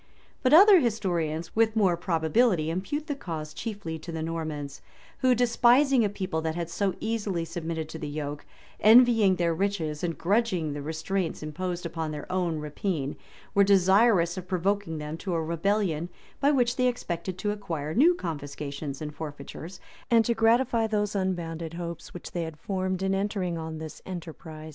[] But other historians, with more probability, impute the cause chiefly to the Normans; who, despising a people that had so easily submitted to the yoke, envying their riches, and grudging the restraints imposed upon their own rapine, were desirous of provoking them to a rebellion, by which they expected to acquire new confiscations and forfeitures, and to gratify those unbounded hopes which they had formed in entering on this enterprise.